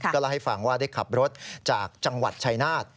ก็เล่าให้ฟังว่าได้ขับรถจากจังหวัดชายนาฏ